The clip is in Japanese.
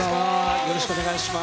よろしくお願いします。